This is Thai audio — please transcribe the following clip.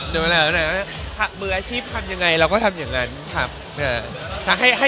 ถ้ามืออาชีพที่เราทำยังไงเราก็ทำยังไง